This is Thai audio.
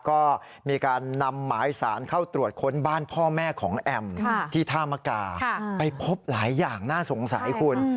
ก็มีการนำหมายสารเข้าตรวจค้นบ้านพ่อแม่ของแอมที่ท่ามกาไปพบหลายอย่างน่าสงสัยคุณ